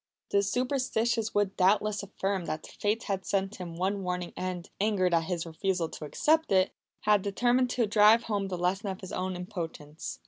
The superstitious would doubtless affirm that the Fates had sent him one warning and, angered at his refusal to accept it, had determined to drive home the lesson of his own impotence.